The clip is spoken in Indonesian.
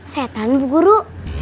setan ibu guru